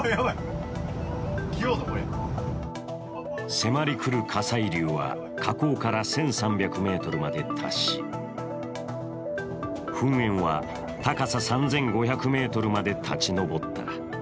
迫り来る火砕流は火口から１３００ｍまで達し、噴煙は高さ３５００ｍまで立ち上った。